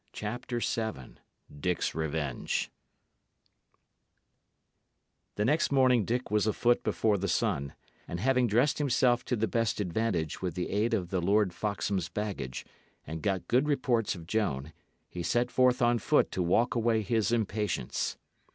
CHAPTER VII DICK'S REVENGE The next morning Dick was afoot before the sun, and having dressed himself to the best advantage with the aid of the Lord Foxham's baggage, and got good reports of Joan, he set forth on foot to walk away his impatience.